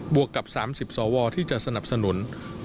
วกกับ๓๐สวที่จะสนับสนุน